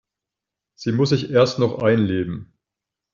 Sie muss sich erst noch einleben.